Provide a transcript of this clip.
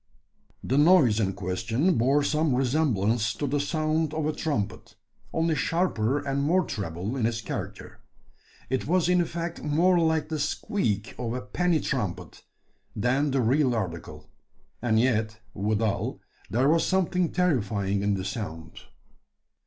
The noise in question bore some resemblance to the sound of a trumpet, only sharper and more treble in its character. It was in effect more like the squeak of a penny trumpet than the real article; and yet, withal, there was something terrifying in the sound.